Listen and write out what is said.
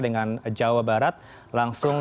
dengan jawa barat langsung